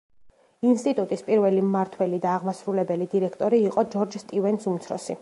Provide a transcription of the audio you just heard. ინსტიტუტის პირველი მმართველი და აღმასრულებელი დირექტორი იყო ჯორჯ სტივენს უმცროსი.